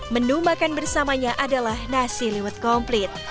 menu makan bersamanya adalah nasi liwet komplit